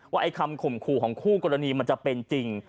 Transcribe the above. ไอ้คำข่มขู่ของคู่กรณีมันจะเป็นจริง